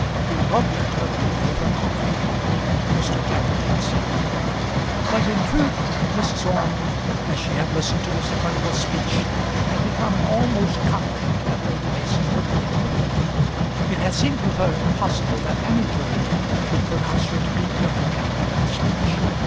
"Do not let her be over confident," Mr. Aram had said. But in truth Mrs. Orme, as she had listened to Mr. Furnival's speech, had become almost confident that Lady Mason would be acquitted. It had seemed to her impossible that any jury should pronounce her to be guilty after that speech.